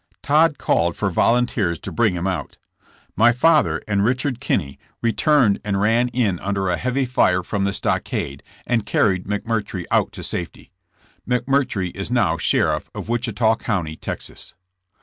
Todd called for volunteers to bring him out. My father and Richard Kinney returned JKSSlt JAMKS AS A OUKRRII<I<A. 49 and ran in under a heavy fire from the stockade and carried McMurtry out to safety. McMurtry is now sheriff of Wichita County, Texas.